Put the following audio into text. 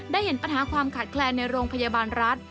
เห็นปัญหาความขาดแคลนในโรงพยาบาลรัฐ